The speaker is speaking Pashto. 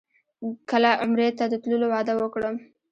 کله عمرې ته د تللو وعده وکړم.